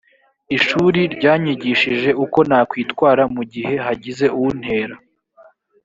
ishuri ryanyigishije uko nakwitwara mu gihe hagize untera